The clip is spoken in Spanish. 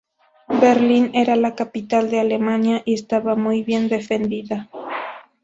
Berlín era la capital de Alemania y estaba muy bien defendida.